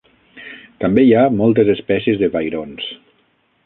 També hi ha moltes espècies de vairons.